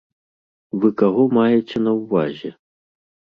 Вы каго маеце на ўвазе?!